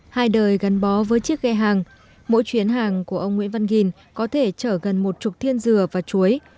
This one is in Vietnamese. hai đời gắn bó với chiếc ghe hàng mỗi chuyến hàng của ông nguyễn văn ghiền có thể chở gần một chục thiên dừa và chuối